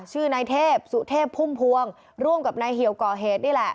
ชื่อนายเทพสุเทพพุ่มพวงร่วมกับนายเหี่ยวก่อเหตุนี่แหละ